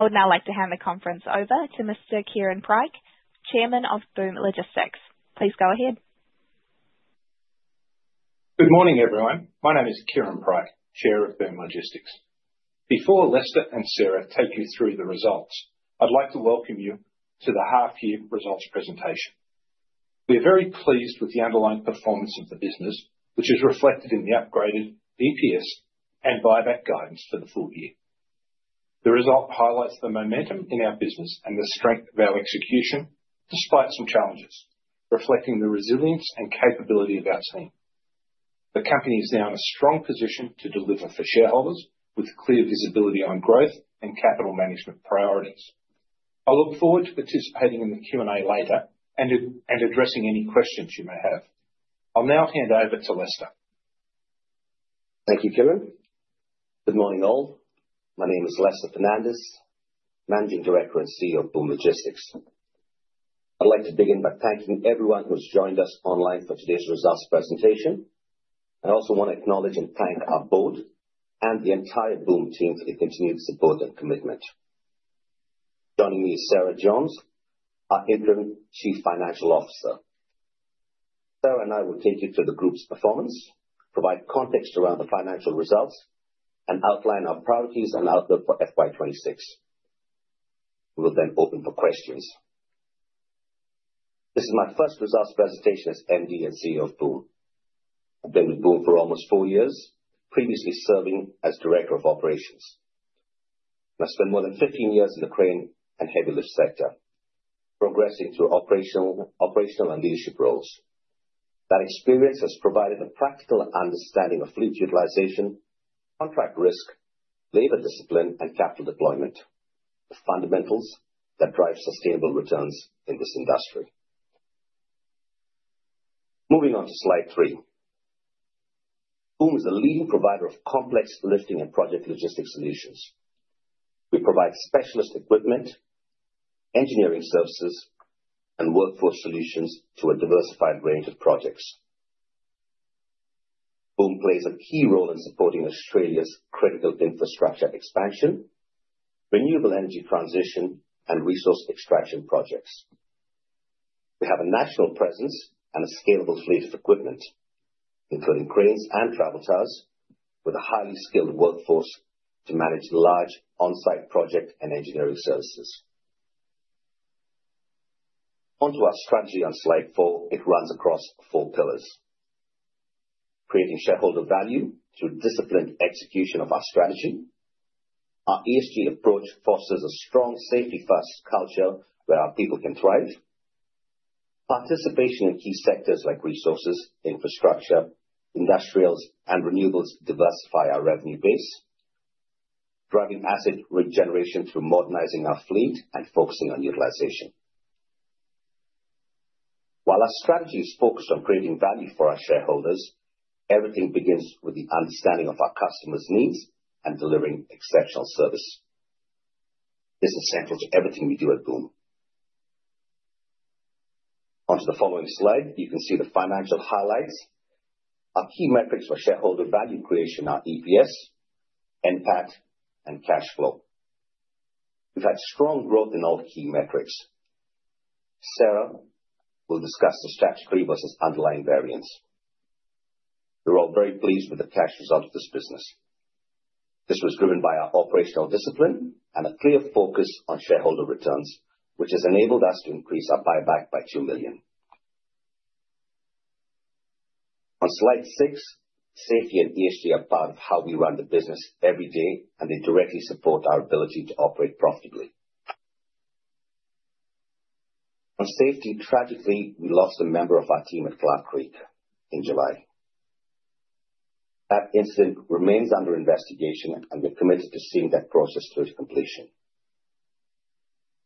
I would now like to hand the conference over to Mr. Kieran Pryke, Chairman of BOOM Logistics. Please go ahead. Good morning, everyone. My name is Kieran Pryke, Chair of BOOM Logistics. Before Lester and Sarah take you through the results, I'd like to welcome you to the half year results presentation. We are very pleased with the underlying performance of the business, which is reflected in the upgraded EPS and buyback guidance for the full year. The result highlights the momentum in our business and the strength of our execution, despite some challenges, reflecting the resilience and capability of our team. The company is now in a strong position to deliver for shareholders, with clear visibility on growth and capital management priorities. I look forward to participating in the Q&A later, and addressing any questions you may have. I'll now hand over to Lester. Thank you, Kieran. Good morning, all. My name is Lester Fernandez, Managing Director and CEO of BOOM Logistics. I'd like to begin by thanking everyone who's joined us online for today's results presentation. I also want to acknowledge and thank our board and the entire BOOM team for their continued support and commitment. Joining me is Sarah Jones, our Interim Chief Financial Officer. Sarah and I will take you through the group's performance, provide context around the financial results, and outline our priorities and outlook for FY 2026. We will then open for questions. This is my first results presentation as MD and CEO of BOOM. I've been with BOOM for almost four years, previously serving as Director of Operations. I spent more than 15 years in the crane and heavy lift sector, progressing through operational and leadership roles. That experience has provided a practical understanding of fleet utilization, contract risk, labor discipline and capital deployment, the fundamentals that drive sustainable returns in this industry. Moving on to Slide 3. Boom is a leading provider of complex lifting and project logistics solutions. We provide specialist equipment, engineering services, and workforce solutions to a diversified range of projects. Boom plays a key role in supporting Australia's critical infrastructure expansion, renewable energy transition, and resource extraction projects. We have a national presence and a scalable fleet of equipment, including cranes and travel towers, with a highly skilled workforce to manage the large on-site project and engineering services. On to our strategy on Slide 4. It runs across four pillars: Creating shareholder value through disciplined execution of our strategy. Our ESG approach fosters a strong safety-first culture where our people can thrive. Participation in key sectors like resources, infrastructure, industrials, and renewables to diversify our revenue base. Driving asset regeneration through modernizing our fleet and focusing on utilization. While our strategy is focused on creating value for our shareholders, everything begins with the understanding of our customers' needs and delivering exceptional service. This is central to everything we do at BOOM. On to the following slide, you can see the financial highlights. Our key metrics for shareholder value creation are EPS, NPAT, and cash flow. We've had strong growth in all key metrics. Sarah will discuss the statutory versus underlying variance. We're all very pleased with the cash result of this business. This was driven by our operational discipline and a clear focus on shareholder returns, which has enabled us to increase our buyback by 2 million. On Slide 6, safety and ESG are part of how we run the business every day, and they directly support our ability to operate profitably. On safety, tragically, we lost a member of our team at Clarke Creek in July. That incident remains under investigation, and we're committed to seeing that process through to completion.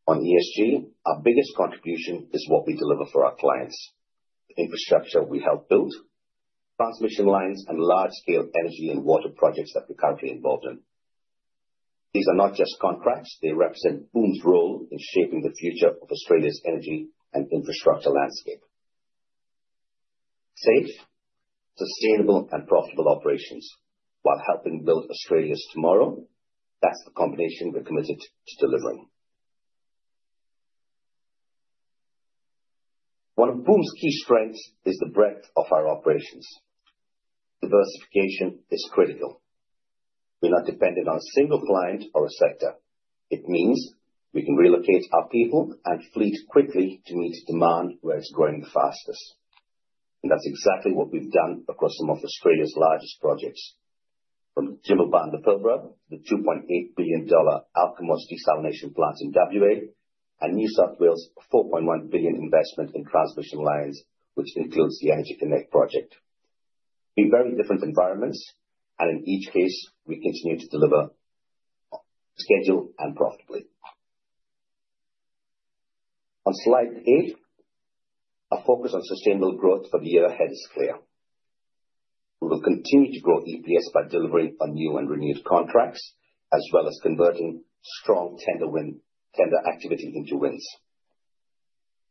On ESG, our biggest contribution is what we deliver for our clients: the infrastructure we help build, transmission lines, and large-scale energy and water projects that we're currently involved in. These are not just contracts; they represent BOOM's role in shaping the future of Australia's energy and infrastructure landscape. Safe, sustainable, and profitable operations while helping build Australia's tomorrow, that's the combination we're committed to delivering. One of BOOM's key strengths is the breadth of our operations. Diversification is critical. We're not dependent on a single client or a sector. It means we can relocate our people and fleet quickly to meet demand where it's growing the fastest. And that's exactly what we've done across some of Australia's largest projects, from Jimblebar and the Pilbara to the 2.8 billion dollar Alkimos desalination plant in WA, and New South Wales' 4.1 billion investment in transmission lines, which includes the EnergyConnect project. They're very different environments, and in each case, we continue to deliver schedule and profitably. On Slide 8, our focus on sustainable growth for the year ahead is clear. We will continue to grow EPS by delivering on new and renewed contracts, as well as converting strong tender activity into wins.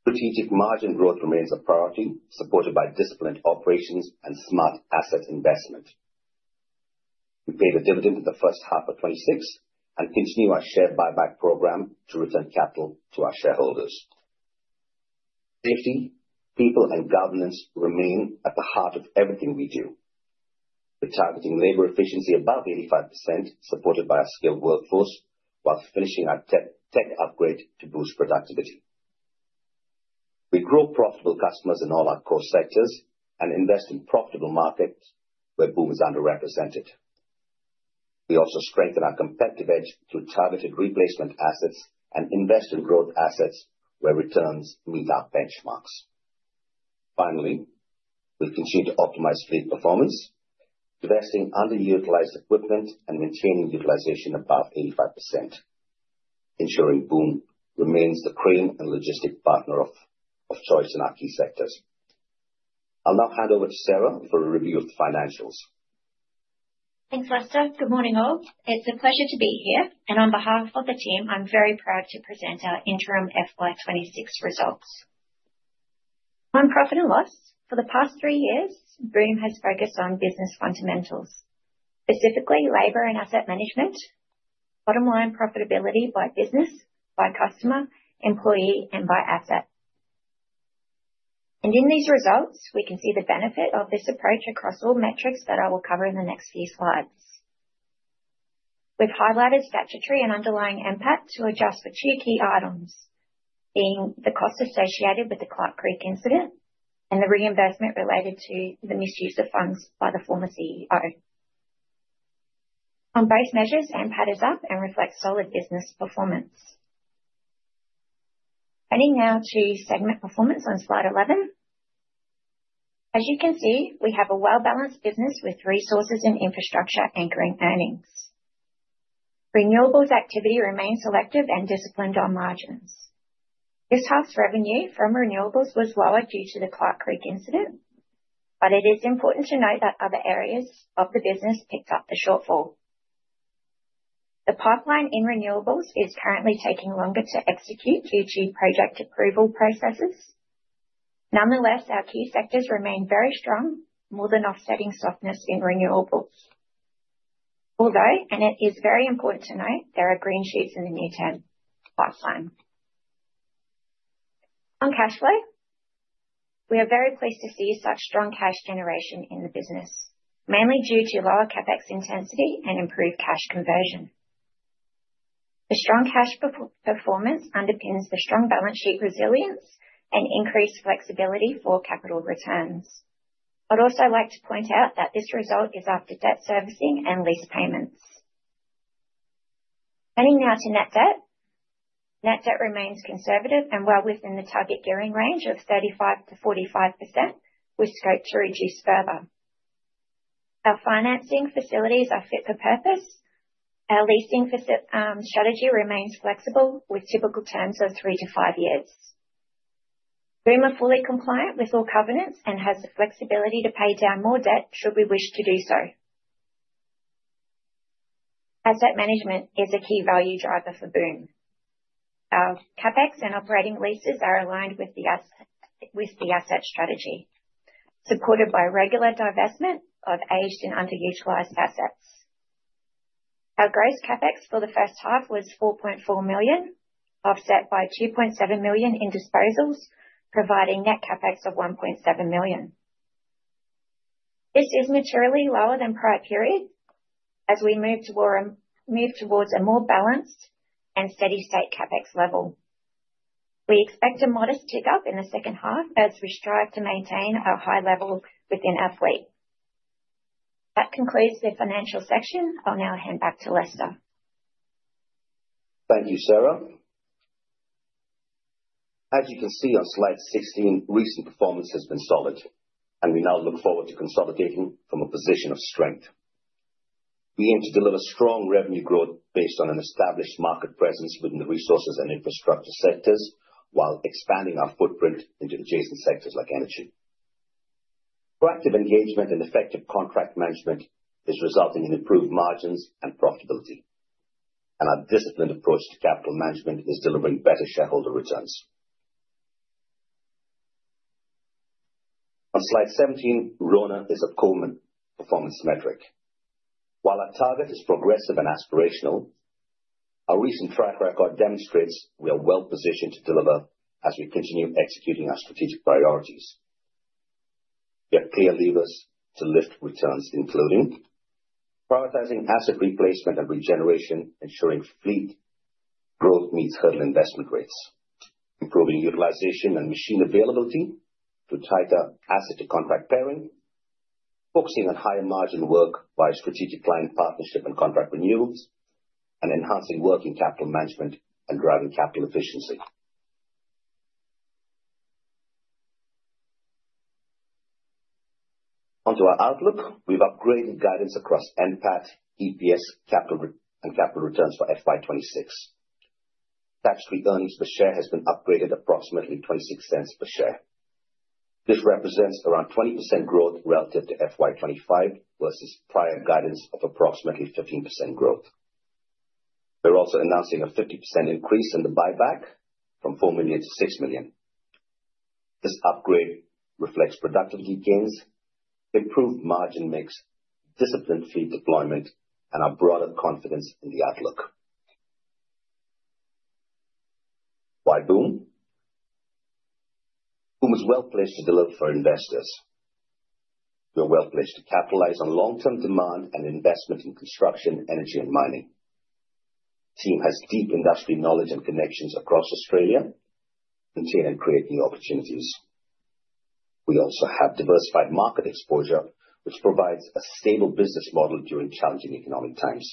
Strategic margin growth remains a priority, supported by disciplined operations and smart asset investment. We paid a dividend in the first half of 2026, and continue our share buyback program to return capital to our shareholders. Safety, people, and governance remain at the heart of everything we do. We're targeting labor efficiency above 85%, supported by a skilled workforce, while finishing our tech upgrade to boost productivity. We grow profitable customers in all our core sectors and invest in profitable markets where BOOM is underrepresented. We also strengthen our competitive edge through targeted replacement assets and invest in growth assets where returns meet our benchmarks. Finally, we'll continue to optimize fleet performance, divesting underutilized equipment and maintaining utilization above 85%, ensuring BOOM remains the premium and logistic partner of choice in our key sectors. I'll now hand over to Sarah for a review of the financials. Thanks, Lester. Good morning, all. It's a pleasure to be here, and on behalf of the team, I'm very proud to present our interim FY 2026 results. On profit and loss, for the past three years, Boom has focused on business fundamentals, specifically labor and asset management, bottom-line profitability by business, by customer, employee, and by asset. In these results, we can see the benefit of this approach across all metrics that I will cover in the next few slides. We've highlighted statutory and underlying NPAT to adjust for two key items, being the costs associated with the Clarke Creek incident and the reimbursement related to the misuse of funds by the former CEO. On both measures, NPAT is up and reflects solid business performance. Heading now to segment performance on Slide 11. As you can see, we have a well-balanced business with resources and infrastructure anchoring earnings. Renewables activity remains selective and disciplined on margins. This half's revenue from renewables was lower due to the Clarke Creek incident, but it is important to note that other areas of the business picked up the shortfall. The pipeline in renewables is currently taking longer to execute due to project approval processes. Nonetheless, our key sectors remain very strong, more than offsetting softness in renewables. Although, and it is very important to note, there are green shoots in the near-term pipeline. On cash flow, we are very pleased to see such strong cash generation in the business, mainly due to lower CapEx intensity and improved cash conversion. The strong cash performance underpins the strong balance sheet resilience and increased flexibility for capital returns. I'd also like to point out that this result is after debt servicing and lease payments. Heading now to net debt. Net debt remains conservative and well within the target gearing range of 35%-45%, with scope to reduce further. Our financing facilities are fit for purpose. Our leasing strategy remains flexible, with typical terms of three to five years. Boom are fully compliant with all covenants and has the flexibility to pay down more debt should we wish to do so. Asset management is a key value driver for Boom. Our CapEx and operating leases are aligned with the asset, with the asset strategy, supported by regular divestment of aged and underutilized assets. Our gross CapEx for the first half was 4.4 million, offset by 2.7 million in disposals, providing net CapEx of 1.7 million. This is materially lower than prior periods, as we move toward, move towards a more balanced and steady state CapEx level. We expect a modest tick-up in the second half as we strive to maintain our high levels within our fleet. That concludes the financial section. I'll now hand back to Lester. Thank you, Sarah. As you can see on Slide 16, recent performance has been solid, and we now look forward to consolidating from a position of strength. We aim to deliver strong revenue growth based on an established market presence within the resources and infrastructure sectors, while expanding our footprint into adjacent sectors like energy. Proactive engagement and effective contract management is resulting in improved margins and profitability, and our disciplined approach to capital management is delivering better shareholder returns. On Slide 17, RONA is a core performance metric. While our target is progressive and aspirational, our recent track record demonstrates we are well positioned to deliver as we continue executing our strategic priorities. We have clear levers to lift returns, including prioritizing asset replacement and regeneration, ensuring fleet growth meets hurdle investment rates, improving utilization and machine availability through tighter asset-to-contract pairing, focusing on higher margin work by strategic client partnership and contract renewals, and enhancing working capital management and driving capital efficiency. Onto our outlook. We've upgraded guidance across NPAT, EPS, and capital returns for FY 2026. Tax-free earnings per share has been upgraded approximately 0.26 per share. This represents around 20% growth relative to FY 2025 versus prior guidance of approximately 15% growth. We're also announcing a 50% increase in the buyback from 4 million to 6 million. This upgrade reflects productivity gains, improved margin mix, disciplined fleet deployment, and our broader confidence in the outlook. Why Boom? Boom is well placed to deliver for investors. We are well placed to capitalize on long-term demand and investment in construction, energy, and mining. Team has deep industry knowledge and connections across Australia, and see and create new opportunities. We also have diversified market exposure, which provides a stable business model during challenging economic times.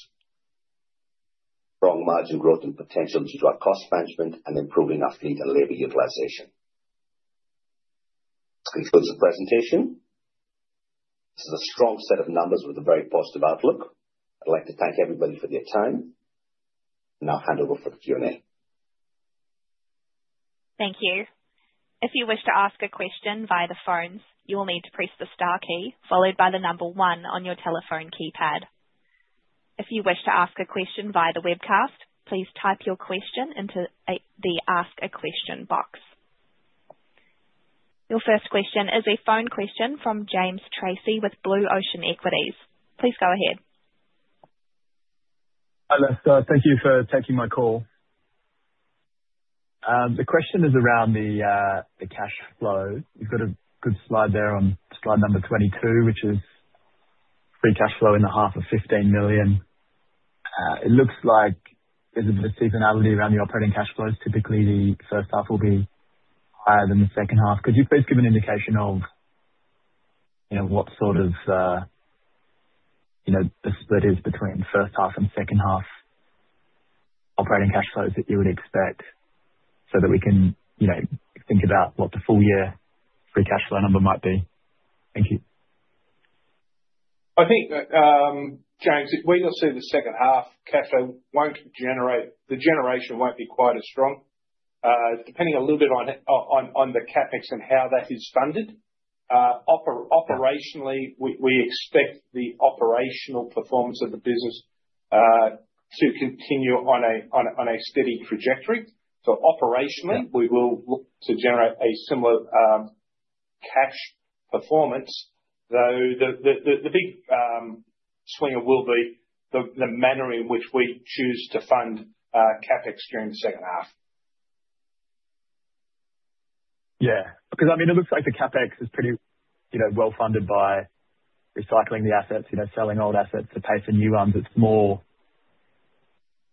Strong margin growth and potential to drive cost management and improving our fleet and labor utilization. This concludes the presentation. This is a strong set of numbers with a very positive outlook. I'd like to thank everybody for their time. Now I'll hand over for the Q&A. Thank you. If you wish to ask a question via the phones, you will need to press the star key followed by the number one on your telephone keypad. If you wish to ask a question via the webcast, please type your question into the ask a question box. Your first question is a phone question from James Tracey with Blue Ocean Equities. Please go ahead. Hi there. Thank you for taking my call. The question is around the cash flow. You've got a good slide there on slide number 22, which is free cash flow in the half of 15 million. It looks like there's a bit of seasonality around the operating cash flows. Typically, the first half will be higher than the second half. Could you please give an indication of, you know, what sort of, you know, the split is between first half and second half operating cash flows that you would expect, so that we can, you know, think about what the full year free cash flow number might be? Thank you. I think that, James, where you'll see the second half, cash flow won't generate... The generation won't be quite as strong. Depending a little bit on the CapEx and how that is funded. Operationally, we expect the operational performance of the business to continue on a steady trajectory. So operationally, we will look to generate a similar cash performance, though the big swinger will be the manner in which we choose to fund CapEx during the second half. Yeah, because I mean, it looks like the CapEx is pretty, you know, well-funded by recycling the assets, you know, selling old assets to pay for new ones. It's more,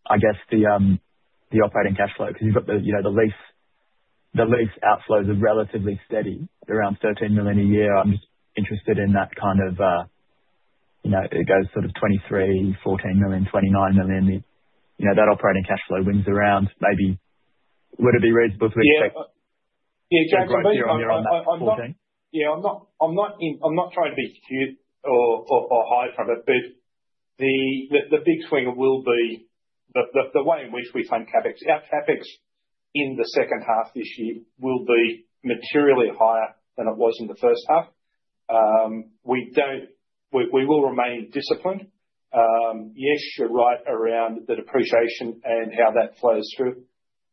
I guess, the operating cash flow, because you've got the, you know, the lease, the lease outflows are relatively steady, around 13 million a year. I'm just interested in that kind of, you know, it goes sort of 23 million, 14 million, 29 million. You know, that operating cash flow wins around maybe, would it be reasonable to expect- Yeah. On your, on that AUD 14 million? Yeah, I'm not trying to be cute or hide from it, but the big swinger will be the way in which we fund CapEx. Our CapEx in the second half this year will be materially higher than it was in the first half. We will remain disciplined. Yes, you're right around the depreciation and how that flows through,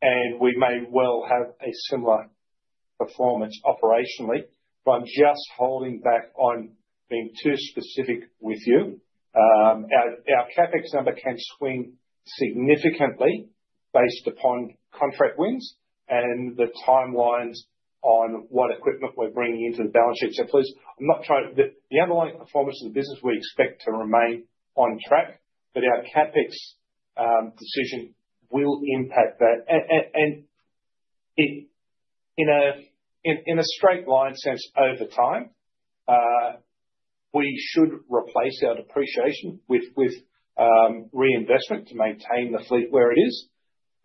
and we may well have a similar performance operationally, but I'm just holding back on being too specific with you. Our CapEx number can swing significantly based upon contract wins and the timelines on what equipment we're bringing into the balance sheet. So please, I'm not trying... The underlying performance of the business, we expect to remain on track, but our CapEx decision will impact that. In a straight line sense, over time, we should replace our depreciation with reinvestment to maintain the fleet where it is.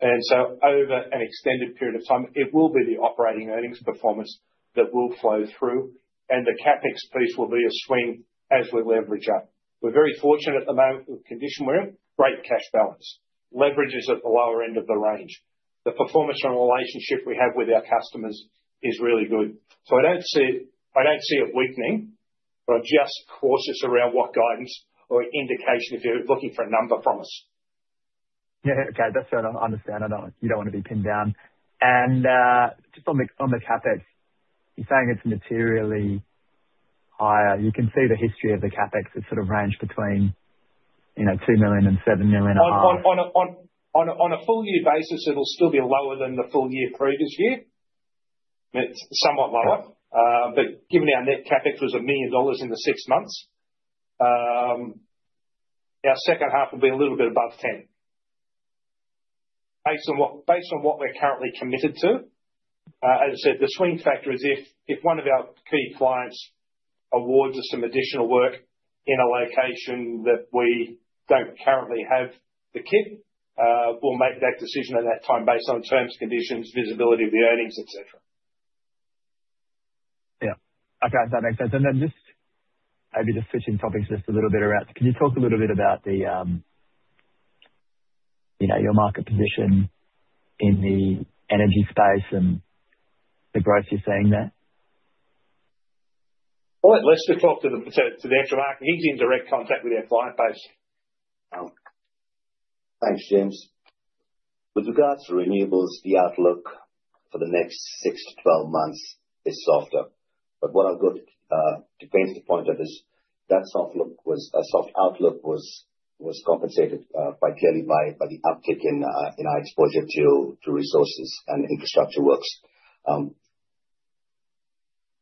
And so over an extended period of time, it will be the operating earnings performance that will flow through, and the CapEx piece will be a swing as we leverage up. We're very fortunate at the moment with the condition we're in, great cash balance. Leverage is at the lower end of the range. The performance and relationship we have with our customers is really good. So I don't see it weakening, but just cautious around what guidance or indication if you're looking for a number from us. Yeah, okay. That's fair, I understand. I know you don't want to be pinned down. And, just on the CapEx, you're saying it's materially higher. You can see the history of the CapEx, it sort of ranged between, you know, 2 million-7.5 million. On a full year basis, it'll still be lower than the full year previous year. It's somewhat lower. Right. Given our net CapEx was 1 million dollars in the six months, our second half will be a little bit above 10 million. Based on what we're currently committed to, as I said, the swing factor is if one of our key clients awards us some additional work in a location that we don't currently have the kit, we'll make that decision at that time based on terms, conditions, visibility of the earnings, et cetera. Yeah. Okay, that makes sense. And then just maybe just switching topics just a little bit around, can you talk a little bit about the, you know, your market position in the energy space and the growth you're seeing there? I'll let Lester talk to the aftermarket. He's in direct contact with our client base. Thanks, James. With regards to renewables, the outlook for the next six to 12 months is softer. But what I've got to paint the point of this, that soft outlook was compensated by clearly by the uptick in our exposure to resources and infrastructure works.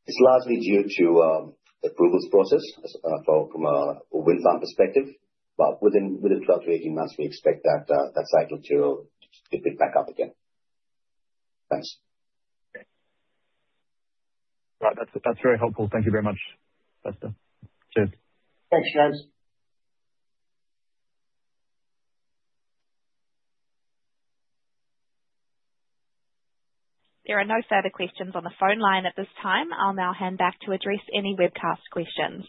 It's largely due to approvals process, as from a wind farm perspective, but within 12-18 months, we expect that cycle to pick back up again. Thanks. Right. That's, that's very helpful. Thank you very much, Lester. Cheers. Thanks, James. There are no further questions on the phone line at this time. I'll now hand back to address any webcast questions.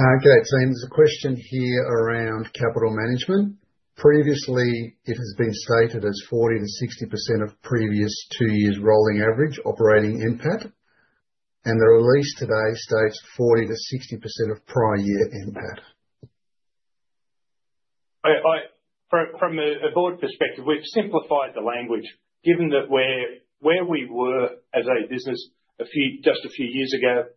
Okay, so there's a question here around capital management. Previously, it has been stated as 40%-60% of previous two years' rolling average operating NPAT. And the release today states 40%-60% of prior year NPAT. From a board perspective, we've simplified the language. Given that where we were as a business just a few years ago,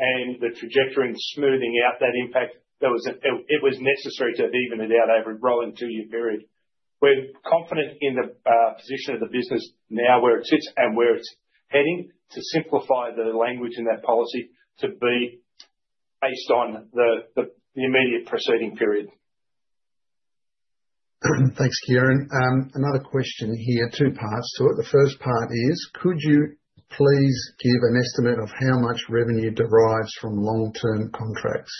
and the trajectory and smoothing out that impact, it was necessary to even it out over a rolling two-year period. We're confident in the position of the business now, where it sits and where it's heading, to simplify the language in that policy to be based on the immediate preceding period. Thanks, Kieran. Another question here, two parts to it. The first part is: Could you please give an estimate of how much revenue derives from long-term contracts?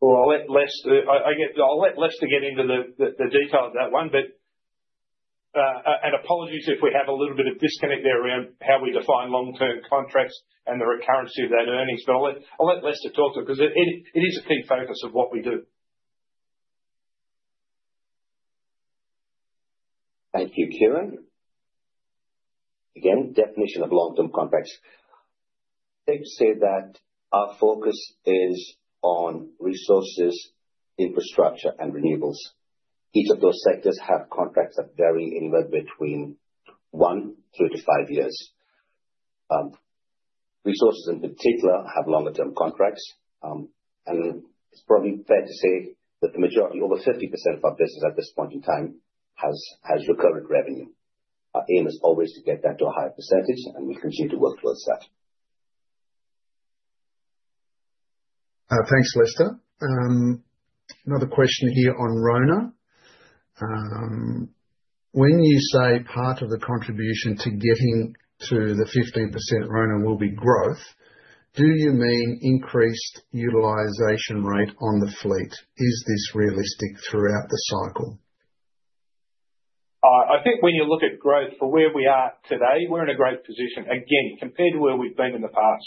Well, I'll let Lester get into the detail of that one. But, and apologies if we have a little bit of disconnect there around how we define long-term contracts and the recurrency of that earnings. But I'll let Lester talk to it, because it is a key focus of what we do. Thank you, Kieran. Again, definition of long-term contracts. Safe to say that our focus is on resources, infrastructure, and renewables. Each of those sectors have contracts that vary anywhere between one to five years. Resources, in particular, have longer term contracts. It's probably fair to say that the majority, over 50% of our business at this point in time, has recurrent revenue. Our aim is always to get that to a higher percentage, and we continue to work towards that. Thanks, Lester. Another question here on RONA. When you say part of the contribution to getting to the 15% RONA will be growth, do you mean increased utilization rate on the fleet? Is this realistic throughout the cycle? I think when you look at growth for where we are today, we're in a great position, again, compared to where we've been in the past.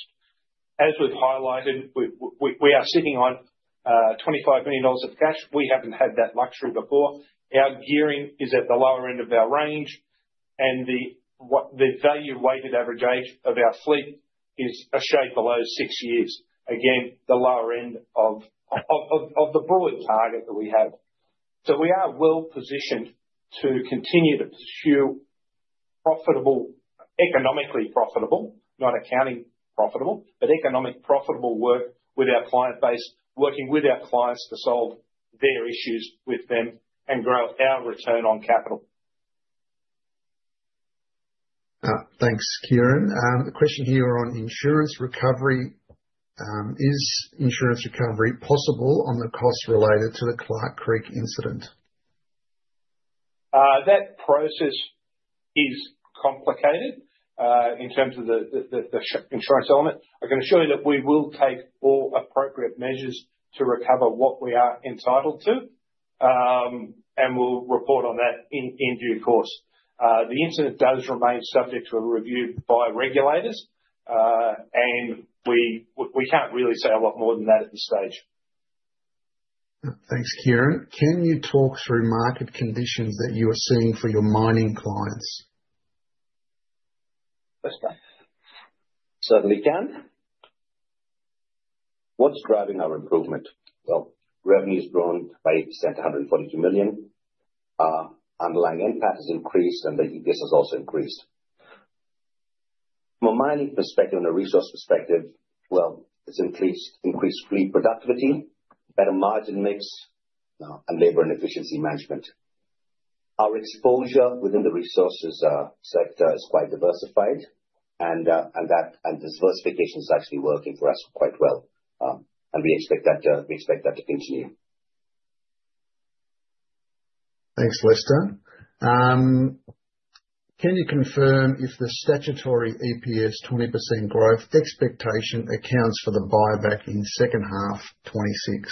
As we've highlighted, we are sitting on 25 million dollars of cash. We haven't had that luxury before. Our gearing is at the lower end of our range, and the value weighted average age of our fleet is a shade below six years. Again, the lower end of the broader target that we have. So we are well positioned to continue to pursue profitable, economically profitable, not accounting profitable, but economic profitable work with our client base, working with our clients to solve their issues with them and grow our return on capital. Thanks, Kieran. The question here on insurance recovery: Is insurance recovery possible on the costs related to the Clarke Creek incident? That process is complicated in terms of the insurance element. I can assure you that we will take all appropriate measures to recover what we are entitled to. And we'll report on that in due course. The incident does remain subject to a review by regulators, and we can't really say a lot more than that at this stage. Thanks, Kieran. Can you talk through market conditions that you are seeing for your mining clients? Certainly, can. What's driving our improvement? Well, revenue's grown by 8% to 142 million. Underlying NPAT has increased, and the EPS has also increased. From a mining perspective and a resource perspective, well, it's increased, increased fleet productivity, better margin mix, and labor and efficiency management. Our exposure within the resources sector is quite diversified, and, and that- and this diversification is actually working for us quite well. And we expect that to continue. Thanks, Lester. Can you confirm if the statutory EPS 20% growth expectation accounts for the buyback in second half 2026?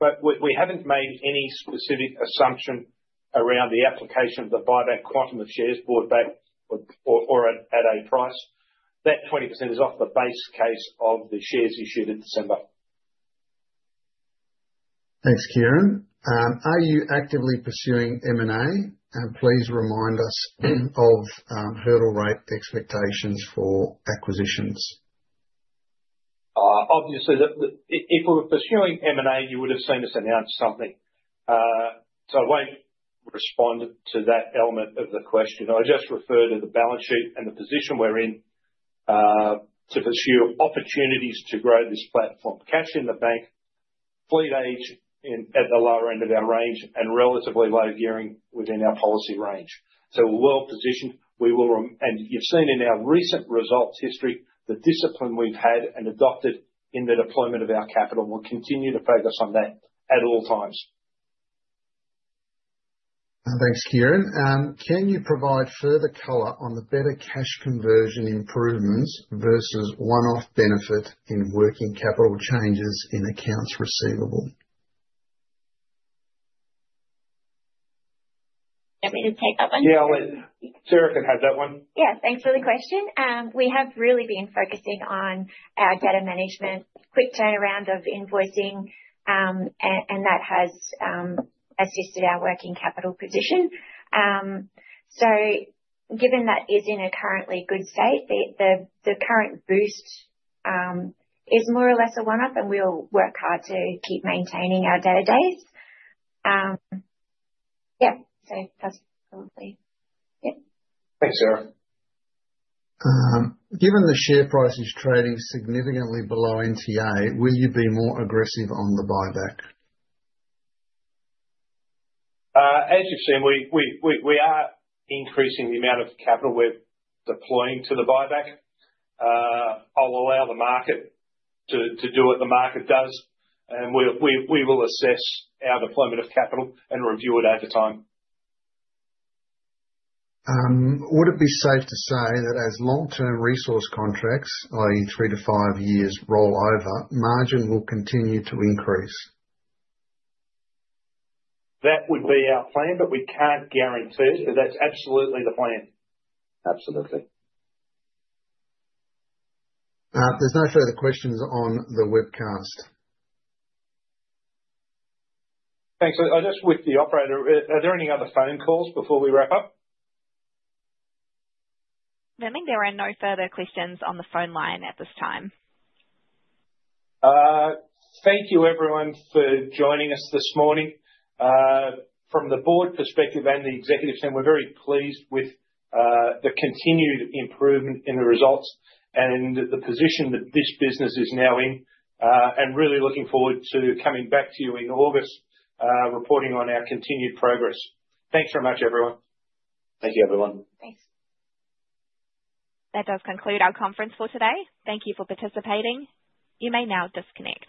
But we haven't made any specific assumption around the application of the buyback quantum of shares bought back or at a price. That 20% is off the base case of the shares issued in December. Thanks, Kieran. Are you actively pursuing M&A? And please remind us of hurdle rate expectations for acquisitions. Obviously, if we were pursuing M&A, you would have seen us announce something. So I won't respond to that element of the question. I just refer to the balance sheet and the position we're in, to pursue opportunities to grow this platform. Cash in the bank, fleet age in at the lower end of our range, and relatively low gearing within our policy range. So we're well positioned. And you've seen in our recent results history, the discipline we've had and adopted in the deployment of our capital. We'll continue to focus on that at all times. Thanks, Kieran. Can you provide further color on the better cash conversion improvements versus one-off benefit in working capital changes in accounts receivable? You want me to take that one? Yeah, I'll let Sarah have that one. Yeah, thanks for the question. We have really been focusing on our data management, quick turnaround of invoicing, and that has assisted our working capital position. So given that is in a currently good state, the current boost is more or less a one-off, and we'll work hard to keep maintaining our data days. Yeah, so that's probably... Yeah. Thanks, Sarah. Given the share price is trading significantly below NTA, will you be more aggressive on the buyback? As you've seen, we are increasing the amount of capital we're deploying to the buyback. I'll allow the market to do what the market does, and we will assess our deployment of capital and review it at the time. Would it be safe to say that as long-term resource contracts, i.e., three to five years, roll over, margin will continue to increase? That would be our plan, but we can't guarantee it. But that's absolutely the plan. Absolutely. There's no further questions on the webcast. Thanks. I just, with the operator, are there any other phone calls before we wrap up? I think there are no further questions on the phone line at this time. Thank you, everyone, for joining us this morning. From the board perspective and the executive team, we're very pleased with the continued improvement in the results and the position that this business is now in. And really looking forward to coming back to you in August, reporting on our continued progress. Thanks very much, everyone. Thank you, everyone. Thanks. That does conclude our conference for today. Thank you for participating. You may now disconnect.